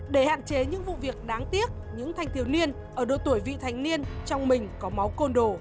để hạn chế những vụ việc đáng tiếc những thanh thiếu niên ở độ tuổi vị thành niên trong mình có máu côn đồ